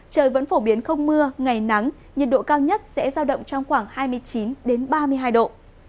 trời vẫn phổ biến không mưa ngày nắng nhiệt độ cao nhất sẽ giao động trong khoảng hai mươi chín ba mươi hai độ